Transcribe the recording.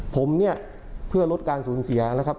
ผมเนี่ยเพื่อลดการสูญเสียนะครับ